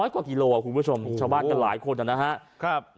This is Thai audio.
กว่ากิโลคุณผู้ชมชาวบ้านกันหลายคนนะครับ